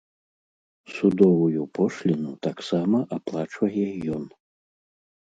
Судовую пошліну таксама аплачвае ён.